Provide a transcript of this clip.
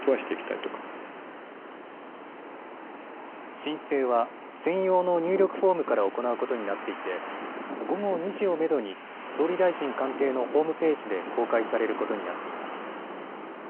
申請は専用の入力フォームから行うことになっていて午後２時をめどに総理大臣官邸のホームページで公開されることになっています。